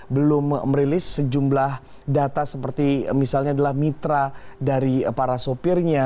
belum merilis sejumlah data seperti misalnya adalah mitra dari para sopirnya